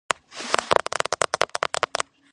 ორივე სავალი ნაწილი მოასფალტებულია.